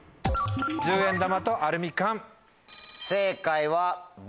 「１０円玉」と「アルミ缶」。